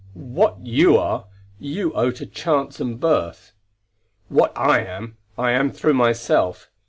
what you are you owe to chance and birth. What I am, I am through myself.